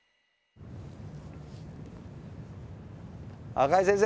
赤井先生